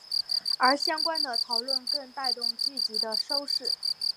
而相关的讨论更带动剧集收视。